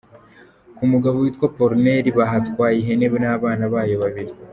Ku mugabo witwa Apollinaire bahatwaye ihene n’abana bayo babiri.